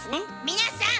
皆さん！